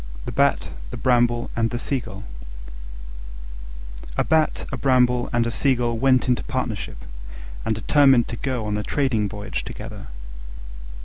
THE BAT, THE BRAMBLE, AND THE SEAGULL A Bat, a Bramble, and a Seagull went into partnership and determined to go on a trading voyage together.